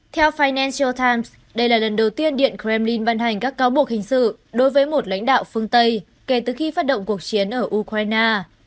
theo finantal times đây là lần đầu tiên điện kremlin ban hành các cáo buộc hình sự đối với một lãnh đạo phương tây kể từ khi phát động cuộc chiến ở ukraine